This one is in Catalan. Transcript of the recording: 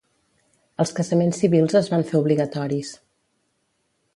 Els casaments civils es van fer obligatoris.